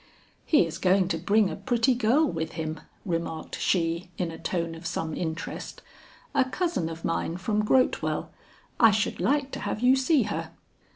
"He is going to bring a pretty girl with him," remarked she, in a tone of some interest, "a cousin of mine from Grotewell. I should like to have you see her."